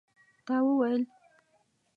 تا وویل?